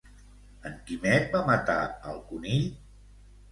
En Quimet va matar al conill?